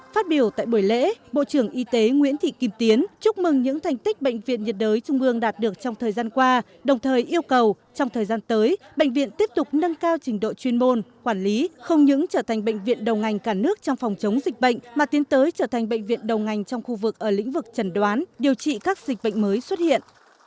phát biểu tại buổi lễ bộ trưởng y tế nguyễn thị kim tiến chúc mừng những thành tích bệnh viện nhiệt đới trung ương đạt được trong thời gian qua đồng thời yêu cầu trong thời gian tới bệnh viện tiếp tục nâng cao trình độ chuyên môn quản lý không những trở thành bệnh viện đầu ngành cả nước trong phòng chống dịch bệnh mà tiến tới trở thành bệnh viện đầu ngành trong khu vực ở lĩnh vực chẩn đoán điều trị các dịch bệnh mới xuất hiện